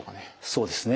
そうですね。